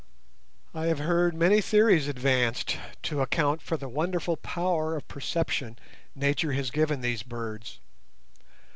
I have heard many theories advanced to account for the wonderful power of perception nature has given these birds.